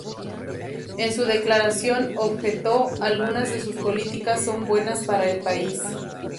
En su declaración objetó: "Algunas de sus políticas son buenas para el país.